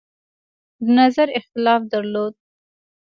د نظر اختلاف درلود.